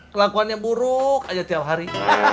kelakuannya buruk aja tiap hari